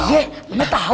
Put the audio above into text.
ye emang tau